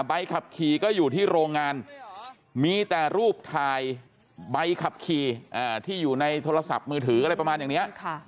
ใบขับขี่ก็อยู่ที่โรงงานมีแต่รูปถ่ายใบขับขี่ที่อยู่ในโทรศัพท์มือถืออะไรประมาณอย่างนี้